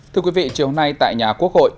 thưa quý vị chiều nay tại nhà quốc hội